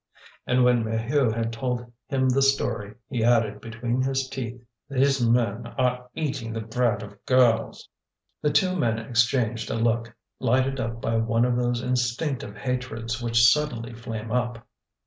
And when Maheu had told him the story he added between his teeth: "These men are eating the bread of girls." The two men exchanged a look, lighted up by one of those instinctive hatreds which suddenly flame up.